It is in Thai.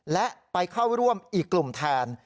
และไปเข้าร่วมอีกกลุ่มแทน